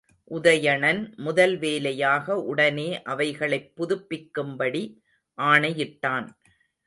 உதயணன் முதல் வேலையாக உடனே அவைகளைப் புதுப்பிக்கும்படி ஆணையிட்டான்.